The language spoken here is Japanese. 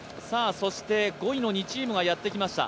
５位の２チームがやってきました。